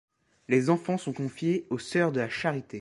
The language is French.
Les enfants sont confiés aux sœurs de la Charité.